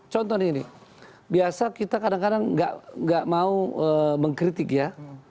contoh nih biasa kita kadang kadang nggak mau mengkritik ya